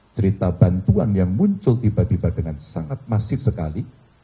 cerita bantuan yang muncul tiba tiba dengan sangat masif sekali